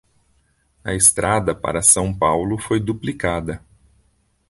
A estrada para São Paulo foi duplicada.